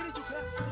ini buat om